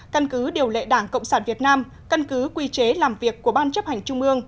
căn cứ điều lệ đảng cộng sản việt nam căn cứ quy chế làm việc của ban chấp hành trung ương